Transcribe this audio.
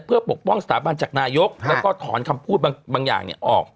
เพื่อปกป้องสถาบันจากนายกแล้วก็ถอนคำพูดบางอย่างออก